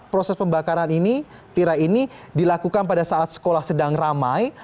proses pembakaran ini tira ini dilakukan pada saat sekolah sedang ramai